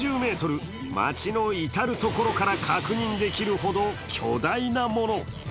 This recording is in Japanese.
町の至る所から確認できるほど巨大なもの。